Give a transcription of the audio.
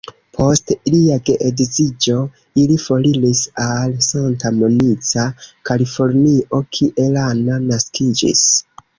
Post ilia geedziĝo ili foriris al Santa Monica, Kalifornio kie Lana naskiĝis.